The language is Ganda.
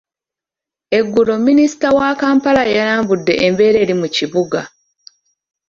Eggulo Minisita wa Kampala yalambudde embeera eri mu kibuga.